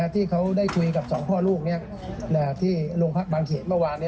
ที่เขาได้คุยกับสองพ่อลูกที่โรงพักบางเขตเมื่อวาน